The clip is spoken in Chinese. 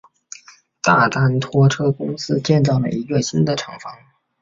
大丹拖车公司建造了一个新的厂房。